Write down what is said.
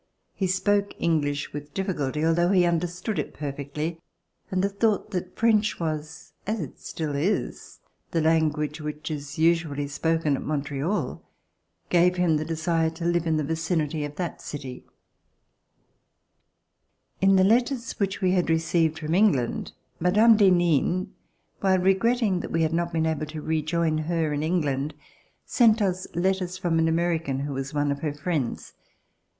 He spoke English with difficulty, although he understood it perfectly, and the thought that French was, as it still is, the language which is usually spoken at Montreal, gave him the desire to live in the vicinity of that city. In the letters which we had received from Eng RECOLLECTIONS OF THE REVOLUTION land, Mme. d'Henin, while regretting that we had not been able to rejoin her in England, sent us letters from an American who was one of her friends.